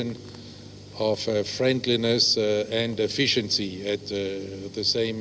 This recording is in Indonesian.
anda bisa melihat kombinasi keamanan dan efisien di saat yang sama